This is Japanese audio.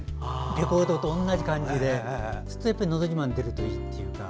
レコードと同じ感じでそうすると「のど自慢」に出るといいっていう。